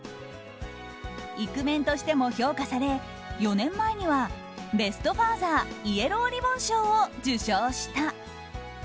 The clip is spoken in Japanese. イクメンとしても評価され４年前にはベスト・ファーザーイエローリボン賞を受賞した。